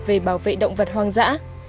về bảo vệ động vật hoang dã